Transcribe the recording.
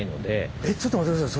えっちょっと待って下さい。